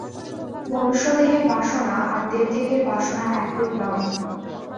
মনুষ্যদেহের বাসনা আর দেবদেহের বাসনা একরূপ নয়।